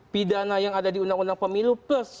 pidana yang ada di undang undang pemilu plus